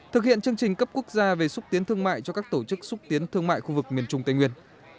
thực hiện chương trình cấp quốc gia về xúc tiến thương mại cho các tổ chức xúc tiến thương mại khu vực miền trung tây nguyên